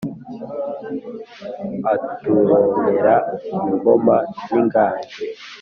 aturonkera ingoma n’inganji